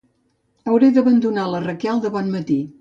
Hauré d'abandonar la Raquel de bon matí.